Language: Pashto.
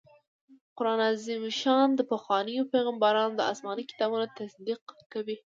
قرآن عظيم الشان د پخوانيو پيغمبرانو د اسماني کتابونو تصديق کوي